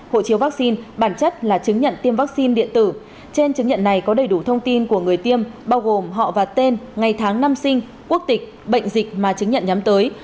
hộ chiếu vaccine bản chất là chứng nhận tiêm vaccine điện tử trên chứng nhận này có đầy đủ thông tin của người tiêm bao gồm họ và tên ngày tháng năm sinh quốc tịch bệnh dịch mà chứng nhận nhắm tới